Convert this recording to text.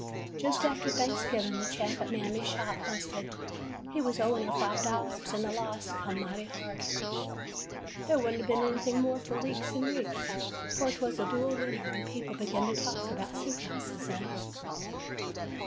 ''Just after Thanksgiving the chap at Mam my's shop busted. He was owing her five dol lars, and the loss come mighty hard. There would n't be anything more for weeks and weeks, for 't was a dull winter, and people began to talk about soup houses then.